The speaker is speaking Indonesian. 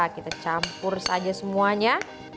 kita campur saja semuanya